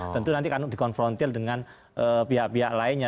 tentu nanti kan di konfrontir dengan pihak pihak lainnya